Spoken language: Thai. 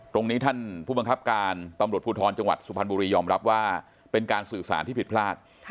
ท่านผู้บังคับการตำรวจภูทรจังหวัดสุพรรณบุรียอมรับว่าเป็นการสื่อสารที่ผิดพลาด